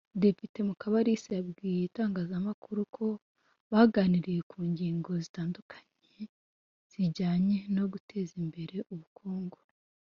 Depite Mukabalisa yabwiye itangazamakuru ko baganiriye ku ngingo zitandukanye zijyanye no guteza imbere ubukungu